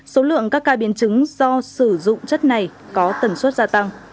số lượng các ca biến chứng do sử dụng chất này có tần suất gia tăng